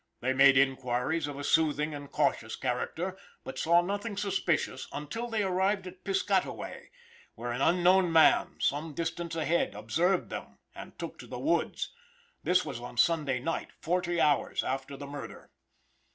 They made inquiries of a soothing and cautious character, but saw nothing suspicious until they arrived at Piscataway, where an unknown man, some distance ahead, observed them, and took to the woods. This was on Sunday night, forty hours after the murder.